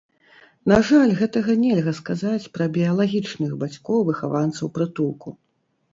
На жаль, гэтага нельга сказаць пра біялагічных бацькоў выхаванцаў прытулку.